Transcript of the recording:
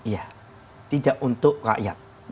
iya tidak untuk rakyat